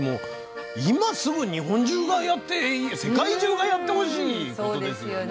今すぐ日本中がやって世界中がやってほしいことですよね。